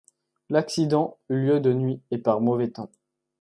L'accident eut lieu de nuit et par mauvais temps.